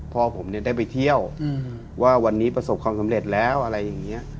พ่อผมเนี่ยได้ไปเที่ยวว่าวันนี้ประสบความสำเร็จแล้วอะไรอย่างนี้